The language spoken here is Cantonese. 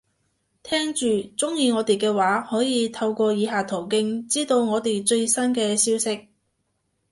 聽住，鍾意我哋嘅話，可以透過以下途徑，知道我哋最新嘅消息